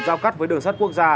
giao cắt với đường sắt quốc gia